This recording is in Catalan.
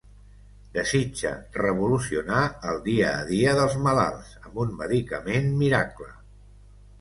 Desitja revolucionar el dia a dia dels malalts amb un medicament miracle.